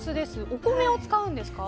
お米を使うんですか？